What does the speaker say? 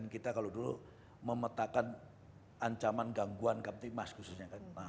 kita kalau dulu memetakan ancaman gangguan keaktifitas khususnya